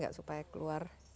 tidak supaya keluar